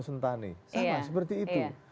sentane iya sama seperti itu